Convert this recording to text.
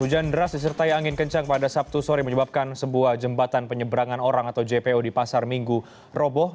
hujan deras disertai angin kencang pada sabtu sore menyebabkan sebuah jembatan penyeberangan orang atau jpo di pasar minggu roboh